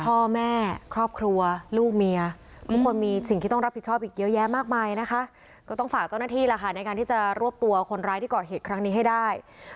พ่อแม่ครอบครัวลูกเมียทุกคนมีสิ่งที่ต้องรับผิดชอบอีกเยอะแยะมากมายนะคะก็ต้องฝากเจ้าหน้าที่ล่ะค่ะในการที่จะรวบตัวคนร้ายที่ก่อเหตุครั้งนี้ให้ได้